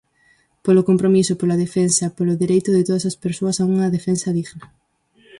Polo compromiso, pola defensa, polo dereito de todas as persoas a unha defensa digna.